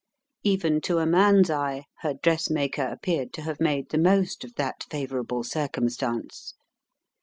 Even to a man's eye, her dressmaker appeared to have made the most of that favourable circumstance.